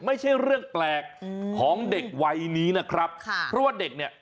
ไม่ใช่เรื่องแปลกของเด็กวัยนี้นะครับค่ะเพราะว่าเด็กเนี่ย